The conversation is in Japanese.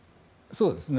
そうですね。